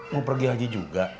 mau pergi haji juga